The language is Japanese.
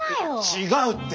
違うって。